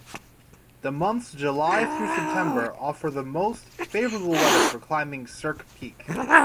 The months July through September offer the most favorable weather for climbing Cirque Peak.